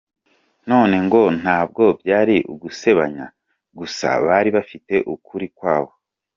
None ngo ntabwo byari ugusebanya gusa bari bafite ukuri kwabo.